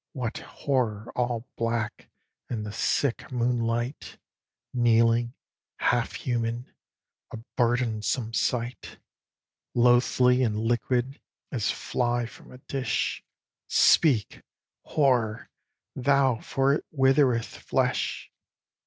What horror all black, in the sick moonlight, Kneeling, half human, a burdensome sight; Loathly and liquid, as fly from a dish; Speak, Horror! thou, for it withereth flesh.